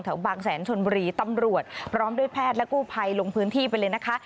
บางแสนชนบุรีตำรวจพร้อมด้วยแพทย์และกู้ภัยลงพื้นที่ไปเลยนะคะ